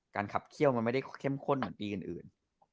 ขับเขี้ยวมันไม่ได้เข้มข้นเหมือนปีอื่น